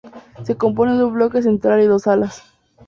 Se compone de un bloque central y dos alas.